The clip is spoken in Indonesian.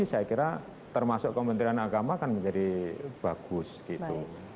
karena termasuk kementerian agama akan menjadi bagus gitu